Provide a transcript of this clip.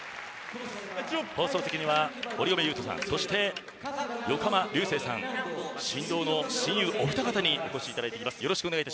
放送席には堀米雄斗さんそして横浜流星さん神童の親友お二方にお越しいただいています。